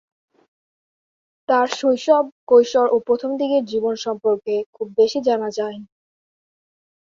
তার শৈশব কৈশোর ও প্রথমদিকের জীবন সম্পর্কে খুব বেশি জানা যায়নি।